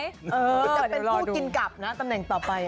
เออเดี๋ยวรอดูจะเป็นผู้กินกลับนะตำแหน่งต่อไป